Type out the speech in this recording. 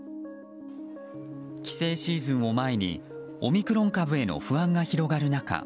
帰省シーズンを前にオミクロン株への不安が広がる中